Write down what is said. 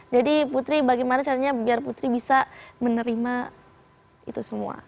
jadi putri bagaimana caranya biar putri bisa menerima itu semua